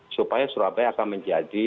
supaya surabaya akan menjadi